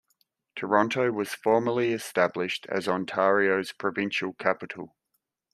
Toronto was formally established as Ontario's provincial capital.